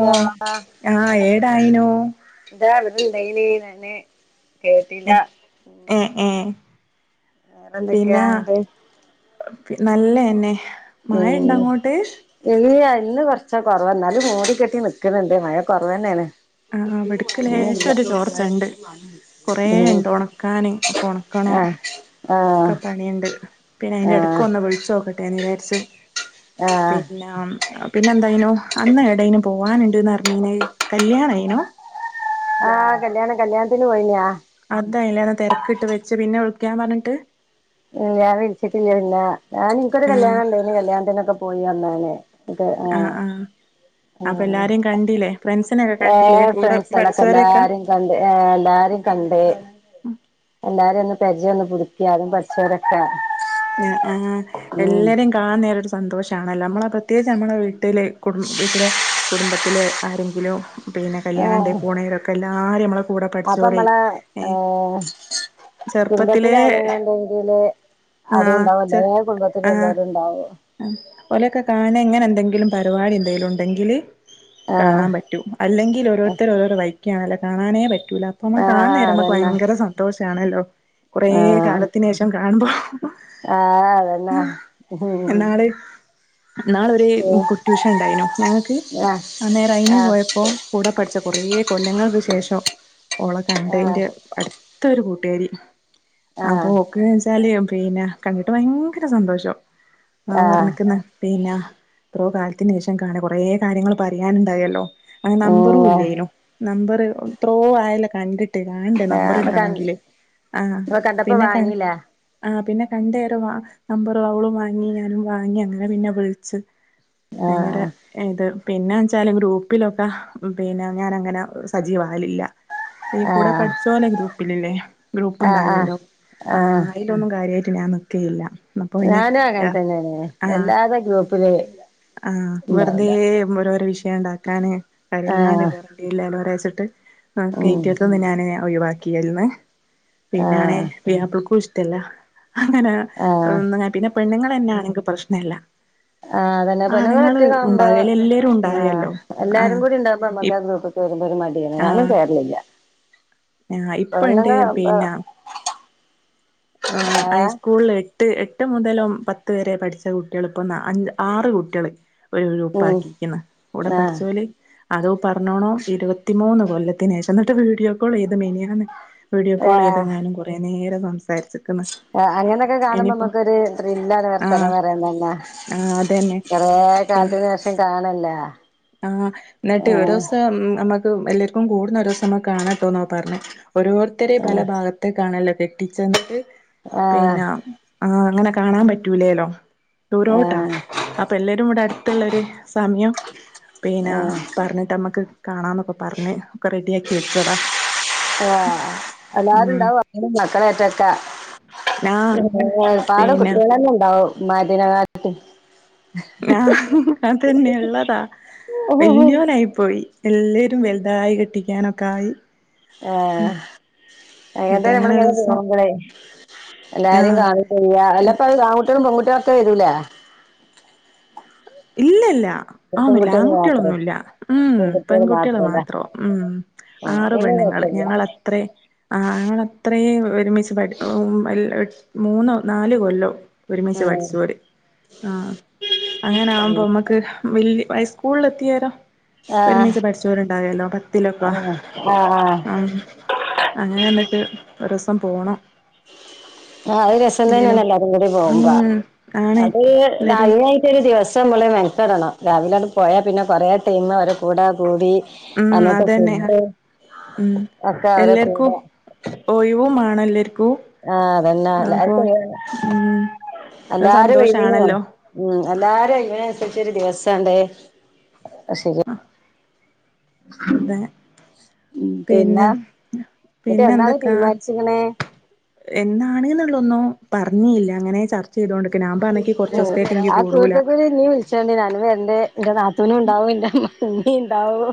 ഓ [unintelligible] ആ ഏടായിനു കേട്ടില ഏ ഏ ഏ വേറെന്തൊക്കെയാങ്ങിട്ട് പി നല്ലന്നെ മഴണ്ടോ മ്മ് അങ്ങോട്ട് ഇല്ല ഇന്ന് കൊറച്ച കൊറവ എന്നാലും മൂടികെട്ടി നിക്ക്ണ്ണ്ട് മഴ കുറവ തന്നെയാണ് ആ ഇവിടക്ക് ലേശം ഒന്നുല്ല ഒരു ചോർച്ചണ്ട് കൊറേ മ്മ് ഉണ്ട് ഉണക്കാന് ആഹ് ആഹ് ക്കെ പണിയുണ്ട് പിന്നെ അതിന്റെടക്ക് ആഹ് ഒന്ന് വിളിചോക്കട്ടെ നിചാരിച്ച ആഹ് പിന്ന പിന്നെ എന്തായിനോ അന്ന് എടേനു പോവാനുണ്ട്ന്ന്റിഞ്ഞീന്നത് കല്യാണയിനോ ആഹ് കല്യാണം കല്യാണത്തിന്ന പോയിനാ അതാല്ലേ തെരക്കിട്ട് വെച്ച് പിന്നെ വിളിക്കാ പറഞ്ഞിട്ട് ഞാൻ വിളിച്ചിട്ടില്ല പിന്നെ ഞാൻ ഇനിക്കൊരു ആ കല്യാണം ഇണ്ടോ ഇന് കല്യാണത്തിനൊക്കെ പോയി അന്ന ആഹ് ആഹ് അപ്പൊ ആഹ് എല്ലാരേ കണ്ടില്ലേ ഫ്രണ്ട്സിനെൊക്കെ കണ്ടീലേ ഏഹ് കൂടെ ഫ്രണ്ട്സളൊക്കെ പഠിച്ചവരെക്കെ എല്ലാരിം കണ്ട് എല്ലാരിം കണ്ട് എല്ലാരിം ഒന്ന് പരിചയം ഒന്ന് പുതുക്കി ആദ്യം പഠിച്ചി ചൊരക്കെ ന ആഹ് എല്ലരിം കാണാ ഒരു സന്തോഷണല്ലോ നമ്മളെ പ്രത്യേകിച്ച് നമ്മളെ വീട്ടിലെ കു വീട്ടിലെ കുടുംബത്തിലെ ആരെങ്കിലും പിന്നെ കല്യാണണ്ട പോണേയിലൊക്കെ എല്ലാരും നമ്മളെ കൂടെ അപ്പ പഠിച്ചോര് മ്മളെ ഏഹ് ആഹ് ചെറുപ്പത്തിലേ കുടുംബത്തില രതിയില് അതും ആഹ് ഉണ്ടാവുംല്ലേ കുടുംബത്തിലള്ളരു ഉണ്ടാവു ഓലെക്കെ കാണ ഇങ്ങനെ എന്തെങ്കിലും പരിപാടി എന്തെങ്കിലും ഉണ്ടെങ്കില് ആഹ് കാണാൻ പറ്റൂ അല്ലെങ്കിൽ ഓരോരുത്തർ ഓരോർ വായിക്കുകണല്ല കാണാനേ പറ്റൂല അമ്മ ആഹ് കാണുന്നരംമമ്മക്ക് അതന്നെ ഭയങ്കര സന്തോഷമാണല്ലോ കൊറ ആഹ് കാലത്തിന് ശേഷം കാണുമ്പോ ആഹ് അതന്നെ [unintelligible] ഇന്നാളൊര് കുട്ടൂഷ ണ്ടായിനു ഞങ്ങൾക്ക് ആഹ് അന്നേരം അയിന് ആഹ് പോയപ്പോ കൂടെ പഠിച്ച കൊറേ കൊല്ലങ്ങൾക്ക് ശേഷം ഓള ആഹ് കണ്ടേയ്ന്റെ അടുത് ഇത്ത ഒരു കൂട്ടുകാരി അപ്പൊ ആഹ് ഓക്കച്ചാല് പിന്നെ കണ്ടിട്ട് ഭയങ്കര സന്തോഷം ആ ആഹ് പറഞ്ഞിക്കുന്ന പിന്നെ എത്രോ കാലത്തിന് വിേഷം കാണ കൊറേ കാര്യങ്ങൾ പറയാനുണ്ടായല്ലോ അന നമ്പറും ഉം ആഹ് ഇല്ലായിനോ നമ്പർ ത്രോ ആയല്ല കണ്ടിട്ട് ട്ട കാണണ്ടേ നമ്പർ അപ്പൊ കൺ ഇട്ടണമെങ്കില് ആഹ് അപ്പൊ കണ്ടപ്പോ പിന്നെ ക വാങ്ങീല്ലേ ആഹ് പിന്നെ കണ്ടേറെ വ നമ്പറും അവളും വാങ്ങി ഞാനും വാങ്ങി അങ്ങനെ പിന്നെ വിളിച്ച് വയങ്കര ആഹ് ന്നിട്ട് പിന്നെ വച്ചാല് ഗ്രൂപ്പിലൊക്കെ പിന്നെ ഞാാനങ്ങനെ സജീവാകലില്ല ഇ കൂടെ ആഹ് പഠിച്ച പോലെ ഗ്രൂപ്പിലല്ലേ ഗ്രൂപ്പ് ആഹ് ആഹ് ഉണ്ടാവല്ലോ ആഹ് ആന് ലൊന്നും കാര്യയിട്ട് ഞാൻ നിക്കലില്ല ഞാനും അങ്ങനെത്തന്നെയെ വല്ലാതെ ഗ്രൂപ്പില് ആഹ് വെറുതെ ഉണ്ടാവില്ല ഓരോരോ വിഷയം ണ്ടാക്കാന് കരില്ലാണ്ട് ആഹ് ല്ലോരാഴച്ചിട്ട് ഉം കയറ്റിയെടുത്ത് നി ഞാന ഒഴിവാക്കില്ലന്ന് പിന്നാണെ ആഹ് പുയാപ്പൾക്കും ഇഷ്ടല്ല അങ്ങനെ ആഹ് ഒന്ന പിന്നെ പെണ്ണുങ്ങൾന്നാണെങ്കിൽ പ്രശ്നല്ല ആഹ് അതന്നെ പെണ്ണ് ആണുങ്ങള് കെട്ടിക്കാഉമ്പാ ഉണ്ടാവേല എല്ലാരും ആഹ് ഉണ്ടാവേല്ലോ എല്ലാരും ആഹ് കൂടി ഇണ്ടാഉമ്പോ ഞമ്മക്ക് ഇപ് ആ ഗ്രൂപ്പ് കേറുമ്പോ ഒരു മടിയാണ് ഞാനും ആഹ് കേറ്ലില്ല്യ ആഹ് ഇപ്പ ഇണ്ട് പിന്നെ ആഹ് ഏഹ് ഹൈസ്കൂൾല് എട്ട് എട്ട് മുതലും പത്ത് വരെ പഠിച്ച കുട്ടിയള്പ്പൊ നാ ആറ് കുട്ടിയള് ഒരു ഉം ഗ്രൂപ്പാക്കീക്ക്ന്ന് കൂടെ ആഹ് പഠിച്ചോല് അതു പർഞ്ഞോണം ഇരുപത്തിമൂന്ന് കൊല്ലത്തിനേഷം ഇന്നട്ട് വീഡിയോ കോളയ്ത് മിനിയാന്ന് വീഡിയോ കോള്യ്ത്ങ്ങാനും കുറേ നേരം സംസാരിച്ച്ക്ക്ന്ന് അങ്ങനെക്കെ കാണുമ്പമ്മക്കൊര് ത്രില്ലാണ് ആഹ് വർത്താനം പറയാതന്നെ ആഹ് അതന്നെ കൊറേ പിന്നെ കാലത്തിന് ശേഷം കാണ്ല്ലാ ആഹ് ഇന്നിട്ട് ഒരുസം അമ്മക്ക് എല്ലാര്ക്കും കൂടുന്ന ഒരുസം കാണട്ടോന്നാ പറഞ്ഞ് ഓരോര്ത്തര് പല ആഹ് ഭാഗ ത്തേക്കാണല്ലോ കെട്ടിച്ചെന്നിട്ട് ആഹ് പിന്നെ ആഹ് അങ്ങനെ കാണാം പറ്റൂലേലോ ദൂരോട്ടാ ആഹ് പ്പ എല്ലരും ഇവടെ അടുത്ത്ള്ളര് സമയം പിന്നെ ആഹ് പർഞ്ഞിട്ട് അമ്മക്ക് കാണാന്നൊക്കെ പർഞ്ഞ് ഒക്ക റെഡിയാക്കി വെച്ചതാ ഏഹ് ഉം എല്ലാരുംണ്ടാവും [unintelligible] മക്കളെറ്റൊക്കെ ആഹ് ഒര്പാട് പിന്നെ കുട്ടിയളന്നെ ഇണ്ടാവും ഇമ്മാര്ട് നേക്കാട്ടി ഞാൻ അതന്നെ ഇള്ളതാ വല്ല്യോലായിപ്പോയി എല്ലരും വെൽതായി കെട്ടിക്കാനൊക്ക ആയി ആഹ് എന്നിട്ട് എങ്ങട്ടേലും നമ്മള് അങ്ങനെ ഇങ്ങനെ ഒരൂസം പോവ്മ്പളെ എല്ലാരിം ആഹ് കാണും ചെയ്യാ അല്ലപ്പത് ആങ്കുട്ടേളും പെങ്കുട്ടേളൊക്കെ വരൂല്ലെ ഇല്ലല്ല ആ ഒന്നുല്ല പെൺകുട്ടികൾ മാത്രം ആങ്കുട്ടൊളൊന്നുല്ല ഉം പെൺകുട്ടികൾ പെങ്കുട്ട്യള് മാത്രല്ല മാത്രേ ഉം ആഹ് ആറ് പിന്നെ പെണ്ണ്ങ്ങൾ കുഴപ്പല്ല ഞങ്ങൾ ത്രേം ആഹ് ഞങ്ങളത്രേം ഒരുമിച്ച് പഠി ഉം ൽ മൂന്ന് നാല് കൊല്ലം ഒരുമിച്ച് ആഹ് പഠിച്ചോര് ആഹ് അങ്ങനെ ആഉമ്പോ മ്മക്ക് വല്ല്യ ഐസ്കൂൾ എത്തിയേരം ആഹ് ഒരുമിച്ച് പഠിച്ചോര്ണ്ടാഅല്ലോ പത്തിലൊക്കാ ആഹ് ആഹ് ഉം അങ്ങനെന്ന്ട്ട് ഒരൂസം പോണം അഹ് രസം എന്തേലും തന്നെണ് എല്ലാരും കൂടി പോഉമ്പ ഉം ആണ് അത് എല്ലാരും രാവിലെ ഒര് ദിവസം മ്മള് മെൻക്കടണം രാവിലാണ്ട് പോയാ പിന്നെ കെറേ ടൈമ് അവര കൂട കൂടി ഉം അന്നത്തെ അതന്നെ ഫുഡ് ഉം ഒക്കെ അവരെ എല്ലാര്ക്കും കൂടെ ഒയ് വും മാണം എല്ലാര്ക്കു ആഹ് അതന്നാ എല്ലാർക്കും ഒഴിവാണം ഉം അത് എല്ലാരും ഒഴിവിന് വാ സന്തോഷാണല്ലോ ഉം എല്ലാരിം ഒഴിവ്നന്സരിച്ചൊരു ദിവസാണ്ട് ശ അഹ് തെ ഉം പിന്നെ ഇന്ന്ട്ട് എന്താണ് തീര്മാൻച്ച്ക്ക്ണേ എന്നാണ്ന്ന് ഇള്ളൊന്നും പർഞ്ഞീല്ല അങ്ങനെ ചർ ച്ചയ്തോണ്ട്ക്ക ഞാം പറഞ്ഞ് ഇൻക്ക് കൊർച്ചൂസ്ത്തേക്ക് ഇൻക്ക് കൂടൂല ച്ചോണ്ടി ഞാനും വെര്ണ്ട് ഇന്റെ നാത്തൂനും ഇണ്ടാവും ഇന്റെ അമ്മായിമ്മിം ഇണ്ടാവും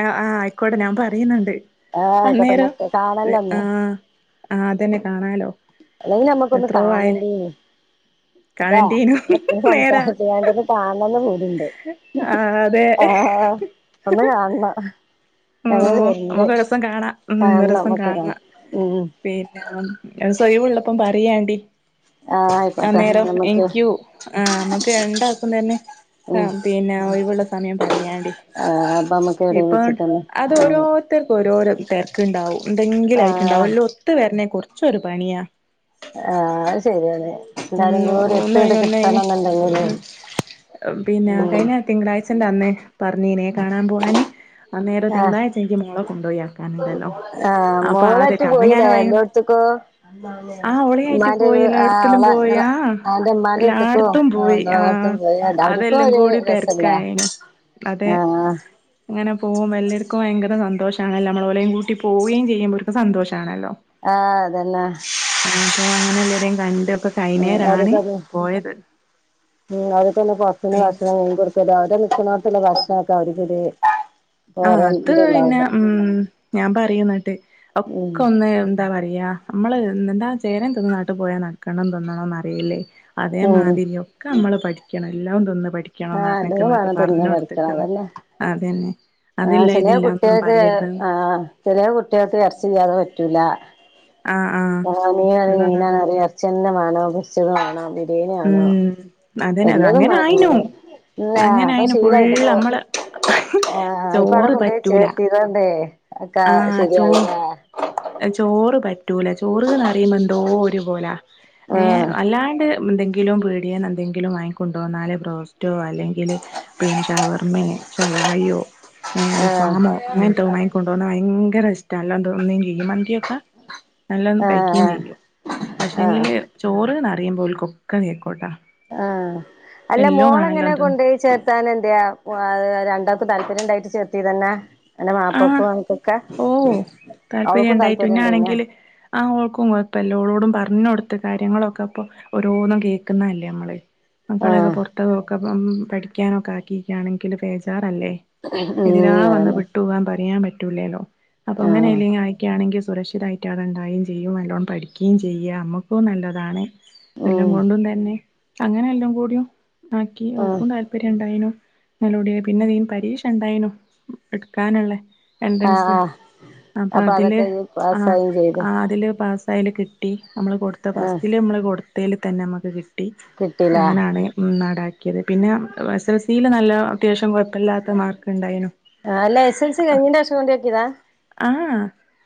ആഹ് ആയിക്കോട്ടെ ഞാൻ പറിയ്ന്ന്ണ്ട് ആഹ് ആയിക്കോട്ടെ ന്നാ അന്നേരം കാണല്ലോ ഒന്ന് ആഹ് ആഹ് അതന്നെ കാണാലോ അല്ലെങ്കി ഞമ്മക്കൊന്ന് എത്രോ ആയി കാണണ്ടീനി ല്ലേ കാണണ്ടീനു ഇത്രീം നേരാ സംസാരി ച്ചേണ്ടൊന്ന് കാണണം ന്ന് പൂതിണ്ട് ആഹ് അതെ അള്ളാ ഉം നമുക്ക് ഒരുസം കാണാ ഉം കാണണം ഒരുസം മക്കളെ കാണാ കാണണം ഉം പിന്നെ ഒരുസം ഒഴ്വ്ള്ളപ്പം പറിയാണ്ടി ആയ് അന്നേരം എനിക്കു ആഹ് മ്മക്ക് രണ്ടാക്കും തന്നെ ഉം ആഹ് പിന്നെ ഒഴിവുള്ള സമയം പറയാണ്ടി ആഹ് അപ്പ അമ്മക്ക് എവിടെ ഇപ്പൊ വച്ച് ക അത് ഓരോര്ത്തർക്കും ഓരോരോ തെരക്ക്ണ്ടാവും ആഹ് എന്തെങ്കിലയിട്ടുണ്ടാവുംല്ലോ ഒത്ത് വര്ന്നെ കൊറച്ച് ഒരു പണിയാ ആഹ് അത് ശരിയാണ് എല്ലാരും ഉം കൂടി ഒത്ത്ണ്ട് ഒന്നൊഴിഞ്ഞ് ഒന്നൊഴിഞ്ഞ് കിട്ടണംന്ന്ണ്ടെങ്കില് പിന്നെ ഉം കഴിഞ്ഞ തിങ്കളാഴ്ചന്റെ അന്ന് പറഞ്ഞീനെ കാണാം പോവാനെ അന്നേരം ആഹ് തിങ്കളാഴ്ച്ച എനിക്ക് മോള കൊണ്ടൊയി ആക്കാന്ണ്ടല്ലോ ആഹ് അപ്പൊ മോളേറ്റ് ആതൊക്കെ അന്ന് ഞാൻ പോയിലേ വൈ എല്ലോട്ത്ത്ക്കും ആ ഒളിയെ ആയിട്ട് ഉമ്മാന്റെ പോയില്ലോ എടു ആഹ് ത്തിലും അവളെ പോയാ ഇങ്ങളെ അവന്റെ ഉമ്മാന്റെ അടുത്തേക്കും എല്ലായിടത്തും പോയി ആ എല്ലായിടത്തും പോയി അവർക്കും അതെല്ലം കൂടി തെരക്കായേനു ആ ഇങ്ങനെ പോകുമ്പ എല്ലർക്കും ഭയങ്കര സന്തോഷം ആണല്ലോ നമ്മളോലെയും കൂട്ടി പോവുകയും ചെയ്യുമ്പോൽക്ക് സന്തോഷാണല്ലോ ആ അതന്നാ ആ അപ്പൊ അങ്ങനെ എല്ലാരെയും കണ്ട്. ഒക്കെ ഉം കഴിഞ്ഞേരാണ് അതൊക്കതെ പോയത് ഉം അതൊക്കൊന്ന് പൊറത്ത്ന്ന് പിന്നെ ഭക്ഷണം കൊടു അവര് നിക്കുന്നോട്തെല്ലെ ഭക്ഷണക്കെ അവർക്കൊര് ആ അത് പിന്നെ ഉം ഞാൻ പറയുന്നിട്ട് ഉം ഒക്കൊന്ന് എന്താ പറയാ നമ്മള് എന്താ ചേരേന്തിന്ന നാട്ട് പോയാ നക്കണം തിന്നണന്നറിയില്ലേ. അതേ ഉം മാതിരി ഒക്കെ നമ്മള് പഠിക്കണം എല്ലാം തിന്ന് പഠി ആഹ് എല്ലതും ക്കണന്നറഞ്ഞിക്കുന്നുട്ട് വേണം പറഞ്ഞു തിന്ന് കൊടുത്തക്കുന്നു അതന്നെ ആ അതില്ല ചെലേ ഇതില്ല ഒന്നും കുട്ടികൾക്ക് പറയരുത് ആ ചെലേ കുട്ടികൾക്ക് ഇറച്ചില്ലാതെ പറ്റൂല ആഹ് ആഹ് ഉള്ളതാ [unintelligible] വേണം ഉം അതനെ എല്ലതും വേണം അതങ്ങനായിനു നമ്മള് ന്നാ അങ്ങനായിനു ഫുള് നമ്മള് അഹ് ആ ഇപ്പൊ അവിടെ കൊണ്ടേയ് ചേർത്തിതോണ്ടേ അക്ക ശരിയായി ആ എ ചോറ് പറ്റൂല ചോറ്ന്ന്റിയുമ്പോ എന്തോ ഒരുപോല ഏ ആഹ് അല്ലാണ്ട് എന്തെങ്കിലും പീടിയേന്ന് എന്തെങ്കിലും വാങ്ങിക്കൊണ്ട് വന്നാല് ബ്രോസ്റ്റോ അല്ലെ ങ്കില് പിന്നെ ഷവർമേ ഷവായിയോ ഏ ആഹ് അൽഫാമോ അങ്ങനന്തോമ കൊണ്ട് പോണ ഭയങ്കര ഇഷ്ട അല്ലാ തോന്നി കുഴിമന്തിയൊക്കെ നല്ലോം കഴിക്കയും ആഹ് ചെയ്യും ആഹ് പക്ഷെങ്കില് ചോറ്ന്നറിയുമ്പോ ഓൽകൊക്കെ ബേക്കോട്ടാ ആ അല്ല മോളെങ്ങനെ തിന്ന് കൊണ്ടോയി ചേർ സനന്റെ അത് രണ്ടാക്കും താല്പര്യം ഉണ്ടായിട്ട് ചേർത്തി തന്ന എന്റെ ആഹ് മാപ്ലക്കും അങ്ങ്ട്ട് ക്ക ഓ താല്പര്യം അവൾക്കും ഉണ്ടായിട്ട് താല്പര്യണ്ടേയ്നാ. പിന്നാണെങ്കില് ആ ഓൾക്കും കുഴപ്പല്ല ഓളോടും പറഞ്ഞു കൊടുത്ത് കാര്യങ്ങളൊക്കെപ്പൊ ഓരോന്നും കേക്കുന്ന അല്ലേ നമ്മള് മക്കളെയൊക്കെ ആഹ് പൊറത്ത്ക്കൊക്കെപ്പം പഠിക്കാനൊക്കെ ആക്കിയിക്കയാണെങ്കില് ബേജാറല്ലേ എതിരാ ഉം വന്ന അതന്നെ വിട്ടു പോവാൻ പറയാൻ പറ്റൂല്ലല്ലോ ആഹ് അപ്പൊങ്ങനെല്ലെങ്കി അയക്കാണെങ്കി സുരക്ഷിതായി ക്കാടണ്ടായും ചെയ്യും നല്ലോണം പഠിക്കേം ചെയ്യ നമുക്കും നല്ലതാണ് എല്ലം ഉം കൊണ്ടും തന്നെ അങ്ങനെ എല്ലാ കൂടിയും ആക്കി ആഹ് ഓക്കും താൽ പര്യം ഉണ്ടായിനു നല്ലോടി പിന്നെ ഇതിന് പരീക്ഷ ഇണ്ടായിനൂ എടുക്കാനുള്ളേ ആഹ് എൻട്രൻസ് ആഹ് അപ്പൊ അതില് അതൊക്കെ ആ പാസ്സായും ചെയ്ത് ആ അതില് പാസ്സായാല് കിട്ടി നമ്മള് കൊടുത്ത ആഹ് ഫസ്റ്റില് നമ്മള് കൊടുത്തേല് തന്നെ നമുക്ക് കി ട്ടി കിട്ടീലേ അങ്ങനെയാണ് ഉം നാടാ ക്കിയത് പിന്നെ എസ് എൽ സീല് നല്ല അത്യാവശ്യം കൊഴപ്പല്ലാത്ത മാർക്ക് ഉണ്ടായിനു. ആ അല്ല എസ്എൽസി കഴിഞ്ഞേന്റെഷം കൊണ്ടാക്കിയതാ ആ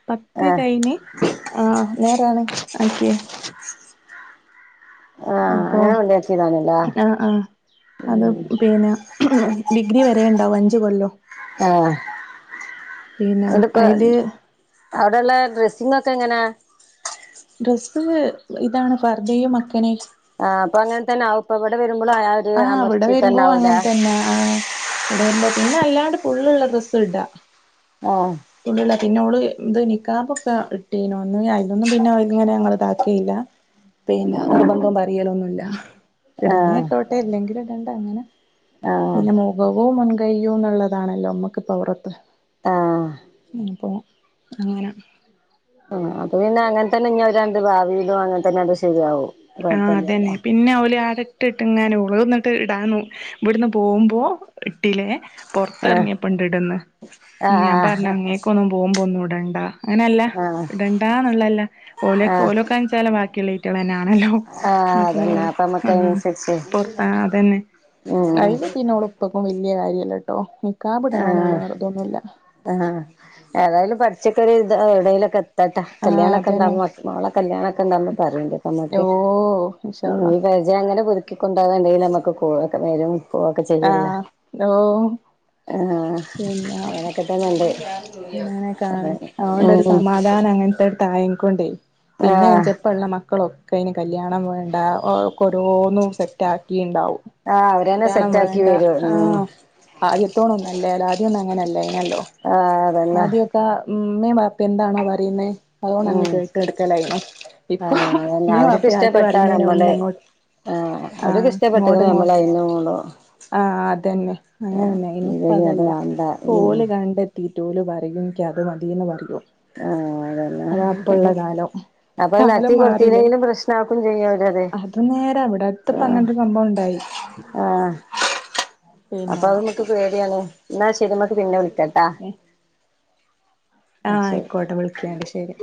പത്ത് കഴിന് ആ നേരാണ് ആക്കിയെ ആഹ് അപൊ അങ്ങനെ കൊണ്ടയാക്കിയതാണല്ലേ ആ ആ അത് പിന്നെ ഡിഗ്രി വരേണ്ടാവും. അഞ്ച് കൊല്ലോ ആഹ് പിന്നെ അയ്ല് അവ്ടെള്ള ഡ്രസ്സിങ് ഒക്കെ എങ്ങനേ? ഡ്രസ്സ് ഇതാണ് ഫർഥയും മക്കനേം ആഹ്. പ്പ അങ്ങൻ തന്നെ ആവും. പ്പ ഇവടെ വരുബൊളും ആഹ ആഹ്. അവടെ വരുമ്പോ അങ്ങൻത്തന്നെ. ആഹ് ഇവടെ വരുമ്പോ, പിന്നെ അല്ലാണ്ട് ഫുള്ളുള്ള ഡ്രസ്സ് ഇടാ ആഹ് ഫുള്ളുള്ള. പിന്നെ ഓള് ഇത് നിക്കാബൊക്കെ ഇട്ടീനു. ഒന്ന് അയിലൊന്നും പിന്നെ അങ്ങനെ ഞങ്ങള് ഇതാക്കീല്ല പിന്നെ നിർബന്ധം പറിയലൊന്നുല്ല ഇട്ന്നെ ആഹ് ഇട്ടോട്ടെ. ഇല്ലെങ്കില് ഇടണ്ട അങ്ങനെ. ആഹ് പിന്നെ മോ മുഖവും മുൻ കയ്യും എന്നുള്ളതാണല്ലോ നമ്മക്കിപ്പൊ അവ്റത്ത്. ആഹ് മ്. പ്പോ അങ്ങന മ് അത് പിന്നെ അങ്ങൻതന്നെ ഞ്ഞ് അവരണ്ട് ഭാവീലും അങ്ങൻതന്നെ അത് ശരിയാവും ആഹ് അതന്നെ. കുഴപ്പല്ലല്ലോ പിന്നെ ഓല് ആടെ ട്ട് ട്ട് ഇങ്ങെനെ. ഓള് ട്ട്ന്ന് ഇവട്ന്ന് പോവുമ്പോ ഇട്ടിലേ ആഹ് പൊർത്തറങ്ങിയപ്പണ്ട് ഇടുന്ന് ഞാൻ പറഞ്ഞ ആഹ് ആഹ് അങ്ങേക്കൊന്നും പോവുമ്പോ ഒന്നും ഇടണ്ട അങ്ങനെല്ല. ആഹ് ഇടണ്ടാന്നുള്ളല്ല. ഓലെയ് ഓലോക്കെച്ചാല ബാക്കിള്ളീറ്റങ്ങളെന്നെ ലോ ആഹ് അപ്പോ അതന്നെ അപ്പ നമ്മക്ക് ആഹ്. അതിനനുസരിച്ച് പൊർത്ത ആഹ് അതന്നെ ഉം അയ്ല് പി ന്നെ ഇപ്പപ്പം വല്യ കാര്യല്ലട്ടോ. നിക്കാബ്ടണോ ന്നുള്ള ആഹ് വെർതൊന്നുല്ല ആഹ് ഏതായാലും പട്ച്ചോക്കെ ര് ഇത എവ്ടേങ്കിലൊക്കെ എത് തട്ടേ. ആഹ് അതന്നെ കല്യാണൊക്കെണ്ടാവുമ്പോ. ഫസി മോളെ കല്യാണൊക്കെണ്ടാവുമ്പോ പറയും ഓണ്ടു ട്ടോമ്മക്ക് ഓഹ്. ഇൻഷാ അള്ളാ ഈ പര്ചയ അങ്ങനെ പുതുക്കിക്കൊണ്ടോവാണെങ്കി നമ്മക്ക് കോളൊക്കെ വരും പോവൊക്കെ ആഹ് ഓഹ് ഏഹ് പിന്നെ ഇങ്ങനെ ഒക്കെ ആണ്. അതെ ഉം അതൊണ്ടൊരുസമാധാന അങ്ങൻത്തെ ത്തായം കൊണ്ടേ. പിന്നെ ആഹ് ജൻചപ്പള്ള മക്കളൊക്കെ അയ്ന് കല്യാണം വേണ്ടാ. ഓ ക്കൊ ഓരോന്നും സെറ്റ് ആക്കീണ്ടാവും. ആഹ് അവരന്നെ കല്യാണം സെറ്റാക്കി വേണ്ട വരും ഉം ആഹ് ആദ്യത്തോണ ഒന്നല്ലാലൊ. ആദ്യം ഒന്നും അങ്ങനെല്ലായ്ന്നല്ലോ ആഹ്. അതന്നെ ത്ത. ഉമ്മേം വാപ്പേം എന്താണോ പറിയുന്നേ അതോണ്ടഅങ്ങ് ഉം കേട്ട് കട്ക്കലായീന്നു. ഇപ്പൊ ആഹ് അതന്നെ മ്മീം അവർക്ക് വാപ്പിആയിട്ട് ഇഷ്ടപ്പെട്ടാ പറീന്നയ്ന് മുന്നെ നമ്മള് അങ്ങോട്ട് ആഹ് അവര്ക്ക് ആഹ് ഇഷ്ടപ്പെട്ട്ക്ക്ണ് ഇങ്ങോട്ട് ഇങ്ങോ നമ്മളയിന് മൂളും ആഹ്. അതന്നെ. അങ്ങനെന്നെ ആയീന്ന്. ഇപ്പ ഇല്ലെങ്കി അത് അതല്ല. വാണ്ട പ്പൊ ഉം ഓല് കണ്ടെ തീറ്റോല് പറയും ഇക്ക് അത് മതീന്ന് പറയും. ആഹ്. അതല്ലേ അതാ ഇപ്പള്ള കാലം അപ്പത് കാലം നട്ത്തി മാറില്ലേ കൊത്തീലെങ്കിലും പ്രശ്നാക്കും ചെയ്യു ഓരത്. അത് നേരാ ഇവിടെ അടുത്ത്പ്പ ആഹ് അങ്ങനൊരു സംഭവം ഉണ്ടായി ആഹ് ഉം അപ്പൊ അതും മ്മക്ക് പേടിയാണ്. ന്നാ ശരി മ്മക്ക് പിന്നെ വിളിക്കാ ട്ടാ ഏഹ് ആഹ് ശരി അയിക്കോട്ടെ. പിന്നെ വിളിക്കെണ്ട് ശെരി.